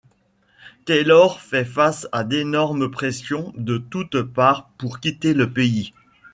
Taylor fait face à d'énormes pressions de toutes parts pour quitter le pays.